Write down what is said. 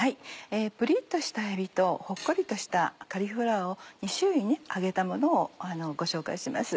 プリっとしたえびとほっこりとしたカリフラワーを２種類揚げたものをご紹介します。